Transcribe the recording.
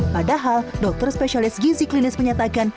padahal dokter spesialis gizi klinis menyatakan